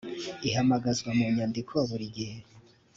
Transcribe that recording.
ihamagazwa mu nyandiko buri gihe